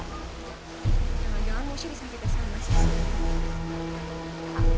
jangan jangan mosya bisa kita sama sih